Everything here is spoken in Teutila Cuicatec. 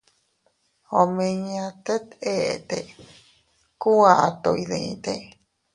Omiña tet eete ku ato iydite.